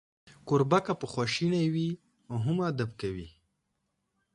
کوربه که په خواشینۍ وي، هم ادب کوي.